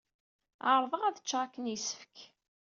Ɛerrḍeɣ ad cceɣ akken yessefk.